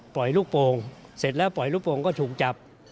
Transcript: ลูกโป่งเสร็จแล้วปล่อยลูกโป่งก็ถูกจับ